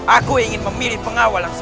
aku ingin memilih pengabdianya